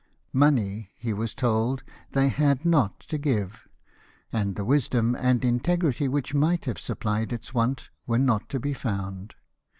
Money, he was told, they had not to give ; and the wisdom and integrity which might have supplied its want were not to be found.